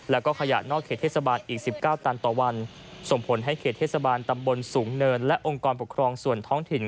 แล้วก็ขยะนอกเขตเทศบาลอีก๑๙ตันต่อวันส่งผลให้เขตเทศบาลตำบลสูงเนินและองค์กรปกครองส่วนท้องถิ่น